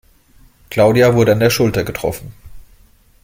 Claudia wurde an der Schulter getroffen.